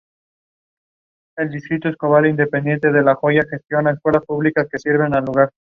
En verano la limpieza de la playa se realiza con bastante frecuencia.